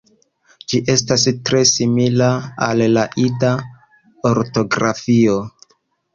Ĝi estas tre simila al la Ida ortografio.